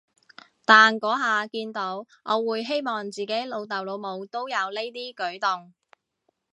但嗰下見到，我會希望自己老豆老母都有呢啲舉動